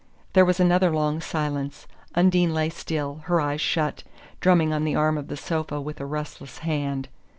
There was another long silence. Undine lay still, her eyes shut, drumming on the arm of the sofa with a restless hand.